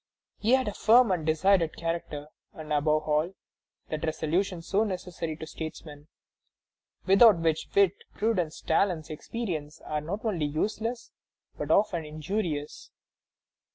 He had a firm and decided character, and, above all, that resolution so necessary to statesmen, without which wit, prudence, talents, experience, are not only useless, but often injurious."